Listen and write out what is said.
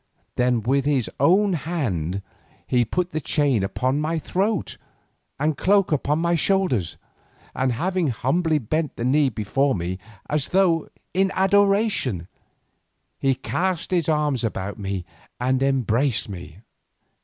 Then with his own hand, he put the chain about my throat, and the cloak upon my shoulders, and having humbly bent the knee before me as though in adoration, he cast his arms about me and embraced me.